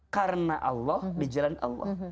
karena allah di jalan allah